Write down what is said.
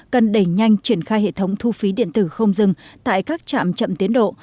cần đẩy nhanh triển khai hệ thống thu phí điện tử không dừng tại các trạm chậm tiến độ